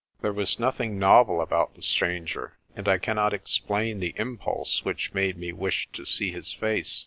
There was nothing novel about the stranger, and I cannot explain the impulse which made me wish to see his face.